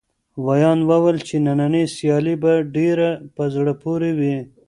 ویاند وویل چې نننۍ سیالي به ډېره په زړه پورې وي.